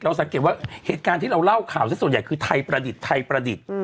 เราสังเกต็นว่าเศรษฐ์ที่เราเล่าข่าวสุดใหญ่คือไทยประดิษฐ์